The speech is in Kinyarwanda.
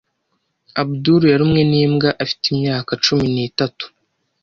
Abudul yarumwe n'imbwa afite imyaka cumi n'itatu.